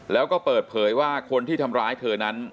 แล้วก็เปิดเผยว่าคนที่ทำร้ายเธอนั้น